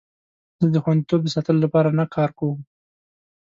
زه د خوندیتوب د ساتلو لپاره نه کار کوم.